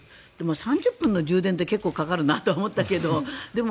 ３０分の充電って結構かかるなと思ったけどでも